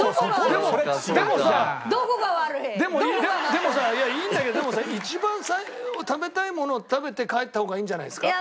でもさいやいいんだけどでもさ一番食べたいものを食べて帰った方がいいんじゃないですか？